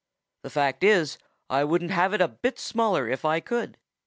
The fact is, I wouldn't have it a bit smaller if I could.